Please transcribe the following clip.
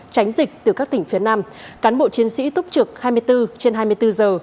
tránh dịch từ các tỉnh phía nam cán bộ chiến sĩ túc trực hai mươi bốn trên hai mươi bốn giờ